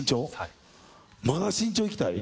まだ身長いきたい？